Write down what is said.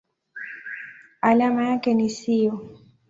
Alama yake ni SiO.